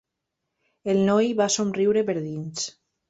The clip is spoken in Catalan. El noi va somriure per dins.